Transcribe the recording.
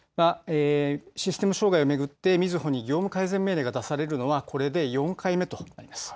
システム障害を巡ってみずほに業務改善命令が出されるのはこれで４回目となります。